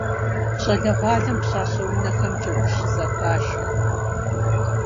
ЩӀалэгъуалэм пщащэ унэхэм джэгухэр щызэхашэ.